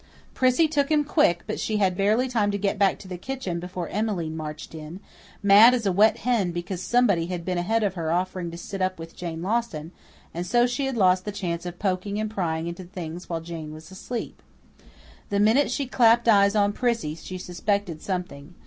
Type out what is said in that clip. Prissy took him quick, but she had barely time to get back to the kitchen before Emmeline marched in mad as a wet hen because somebody had been ahead of her offering to sit up with Jane Lawson, and so she lost the chance of poking and prying into things while Jane was asleep. The minute she clapped eyes on Prissy she suspected something.